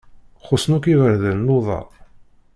Xuṣṣen akk iberdan luḍa.